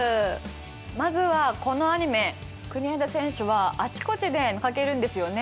まずはこのアニメ国枝選手はあちこちで見かけるんですよね。